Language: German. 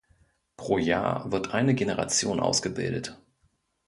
Pro Jahr wird eine Generation ausgebildet.